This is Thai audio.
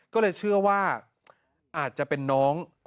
ก็เลยเชื่อว่าอาจจะเป็นน้อง